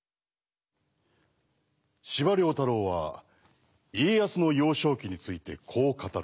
司馬太郎は家康の幼少期についてこう語る。